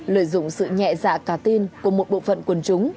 lợi dụng sự nhẹ dạ cá tin của một bộ phận quân chúng